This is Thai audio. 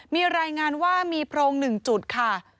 มีรายงานว่ามีโพรง๑จุดค่ะ